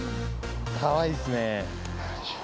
かわいいっすね。